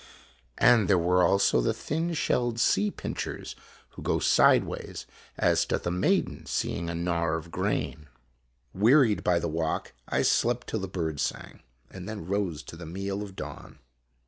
] And there were also the thin shelled sea pinchers who go sidewise as doth a maiden seeing a gnawer of grain. Wearied by the walk, I slept till the birds sang, and then rose to the meal of dawn.